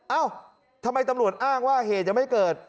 เอ้าทำไมตำรวจอ้างว่าเหตุยังไม่เกิด